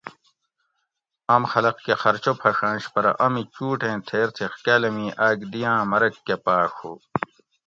آم خلق کہۤ خرچہ پھڛاںش پرہ امی چُوٹ ایں تھیر تھی کاۤلمی آگ دی آں مرگ کہۤ پاۤڛ ہُو